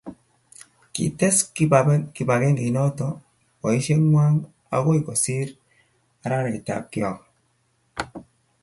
kites kibagengeinoto boishengwai akoi kosir arairaitab kyoga